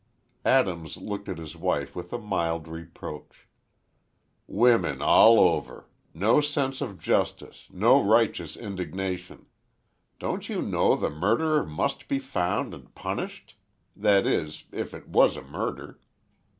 Adams looked at his wife with a mild reproach. "Woman all over! No sense of justice, no righteous indignation. Don't you know the murderer must be found and punished? That is if it was a murder."